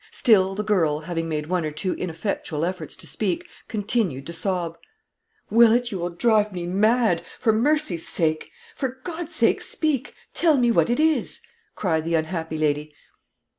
Still the girl, having made one or two ineffectual efforts to speak, continued to sob. "Willett, you will drive me mad. For mercy's sake, for God's sake, speak tell me what it is!" cried the unhappy lady.